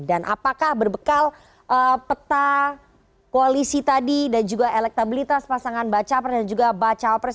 dan apakah berbekal peta koalisi tadi dan juga elektabilitas pasangan bakal capres dan juga bakal cawapres